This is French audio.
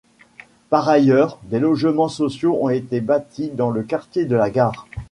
Par ailleurs, des logements sociaux ont été bâtis dans le quartier de la gare.